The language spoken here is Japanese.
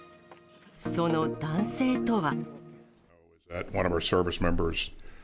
その男性とは。